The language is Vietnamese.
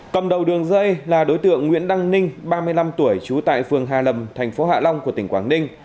cầm đầu đường dây là đối tượng nguyễn đăng ninh ba mươi năm tuổi trú tại phường hà lâm thành phố hạ long của tỉnh quảng ninh